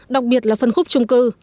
đặc biệt là phân khúc chung cư